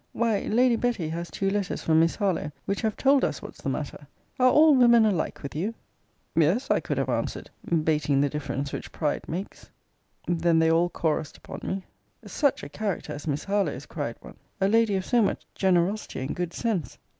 Why Lady Betty has two letters from Miss Harlowe, which have told us what's the matter Are all women alike with you? Yes; I could have answered; 'bating the difference which pride makes. Then they all chorus'd upon me Such a character as Miss Harlowe's! cried one A lady of so much generosity and good sense!